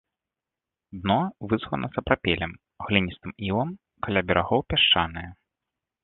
Дно выслана сапрапелем, гліністым ілам, каля берагоў пясчанае.